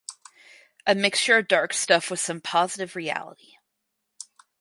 A mixture of dark stuff with some positive reality.